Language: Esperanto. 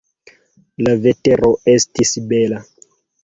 La vetero estis bela.